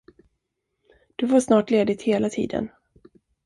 Du får snart ledigt hela tiden.